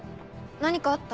何かあった？